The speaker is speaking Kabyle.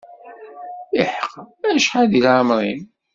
Iḥqa, acḥal deg leɛmer-im?